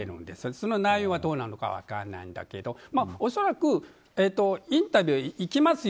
その内容はどうなのか分からないんだけど恐らく、インタビュー行きますよ